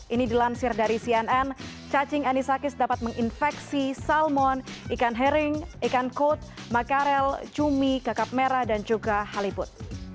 ini dilansir dari cnn cacing anisakis dapat menginfeksi salmon ikan hearing ikan code makarel cumi kakap merah dan juga haliput